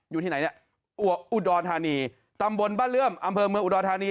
อยู่ที่ไหนเนี่ยอุดรธานีตำบลบ้านเลื่อมอำเภอเมืองอุดรธานี